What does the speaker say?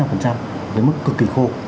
đến mức cực kỳ khô